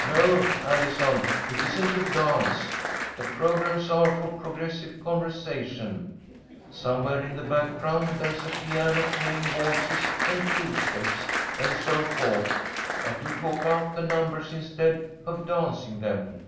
No, Allison, it isn't a dance. The programmes are for progressive conversation. Somewhere in the background there's a piano playing waltzes and two steps, and so forth, but you talk out the numbers instead of dancing them.